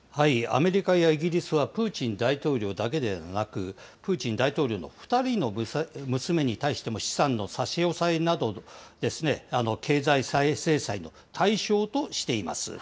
アメリカやイギリスはプーチン大統領だけでなく、プーチン大統領の２人の娘に対しても資産の差し押さえなど、経済制裁の対象としています。